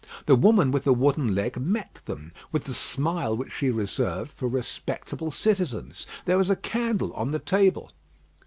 The woman with the wooden leg met them with the smile which she reserved for respectable citizens. There was a candle on the table.